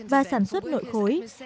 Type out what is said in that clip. và sản xuất nội khối